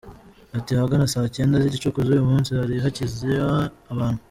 Ati “Ahagana saa Cyenda z’igicuku z’uyu munsi, hari hakiza abantu.